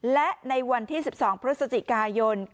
และในวันที่๑๒พฤศจิกายน